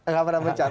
nggak pernah mencat